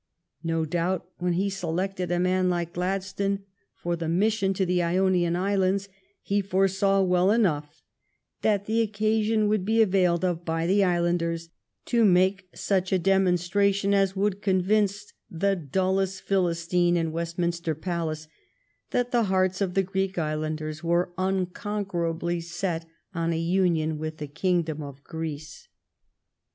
No doubt, when he selected a man like Mr. Glad stone for the mission to the Ionian Islands, he foresaw well enough that the occasion would be availed of by the islanders to make such a demon stration as would convince the dullest Philistine in Westminster Palace that the hearts of the Greek islanders were unconquerably set on a union with the Kingdom of Greece.